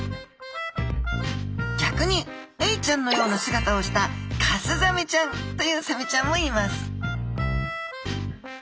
逆にエイちゃんのような姿をしたカスザメちゃんというサメちゃんもいます